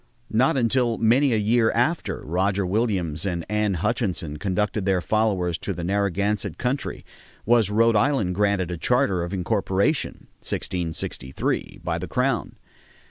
Not until many a year after Roger Williams and Anne Hutchinson conducted their followers to the Narragansett country was Rhode Island granted a charter of incorporation (1663) by the crown.